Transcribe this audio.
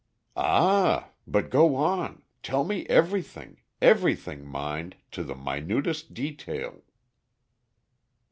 "Ah! But go on. Tell me everything, everything mind, to the minutest detail."